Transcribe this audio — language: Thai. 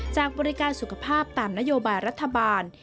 บริการสุขภาพตามนโยบายรัฐบาล